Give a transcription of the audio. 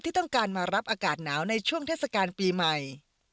ที่ต้องการมารับอากาศหนาวในช่วงเทศกาลปีใหม่